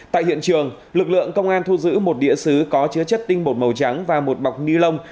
tại hiện trường lực lượng công an thu giữ một đĩa xứ có chứa chất tinh bột màu trắng và một bọc ni lông